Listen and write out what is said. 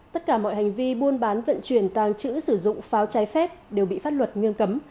tất cả mọi hành vi buôn bán vận chuyển tàng trữ sử dụng pháo trái phép đều bị pháp luật nghiêm cấm